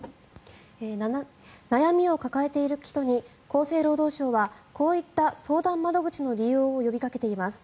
悩みを抱えている人に厚生労働省はこういった相談窓口の利用を呼びかけています。